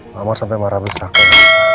pak amar sampai marah bersyakur